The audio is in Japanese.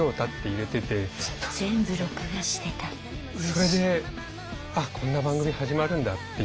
それであっこんな番組始まるんだっていう。